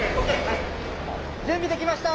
準備できました！